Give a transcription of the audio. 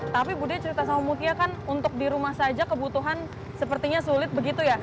tapi bu de cerita sama mutia kan untuk di rumah saja kebutuhan sepertinya sulit begitu ya